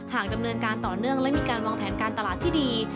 ดำเนินการต่อเนื่องและมีการวางแผนการตลาดที่ดี